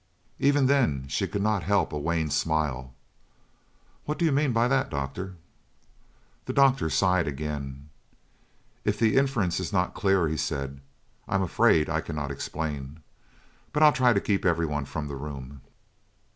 Even then she could not help a wan smile. "What do you mean by that, doctor?" The doctor sighed again. "If the inference is not clear," he said, "I'm afraid that I cannot explain. But I'll try to keep everyone from the room."